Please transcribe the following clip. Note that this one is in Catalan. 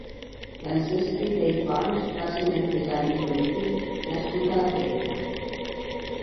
Francesc Fité i Pons va ser un empresari i polític nascut a La Freita.